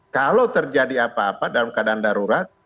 kalau terjadi apa apa dalam keadaan darurat